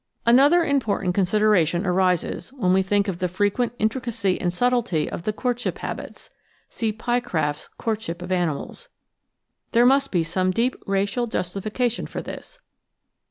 Another important consideration arises when we think of the frequent intricacy and subtlety of the courtship habits (see Pycraft's Courtship of Animals). There must be some deep racial justification for this.